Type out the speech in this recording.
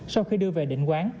sau khi đưa về định quán